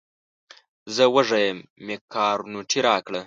زه وږی یم مېکاروني راکړه.